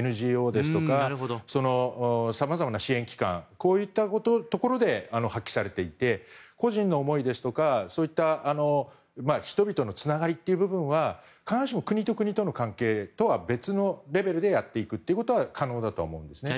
ＮＧＯだとかさまざまな支援機関のところで発揮されていて個人の思いですとか、そういった人々のつながりという部分は必ずしも国と国との関係とは別のレベルでやっていくことは可能だと思うんですね。